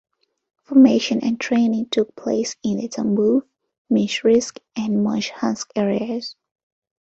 Formation and training took place in the Tambov, Michurinsk and Morshansk areas.